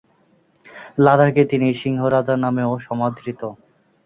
লাদাখে তিনি সিংহ রাজা নামেও সমাদৃত।